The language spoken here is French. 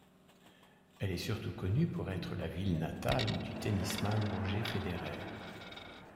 Elle est surtout connue pour être la ville natale du tennisman Roger Federer.